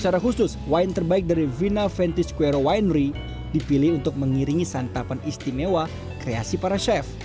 secara khusus wine terbaik dari vina vantis kuero winery dipilih untuk mengiringi santapan istimewa kreasi para chef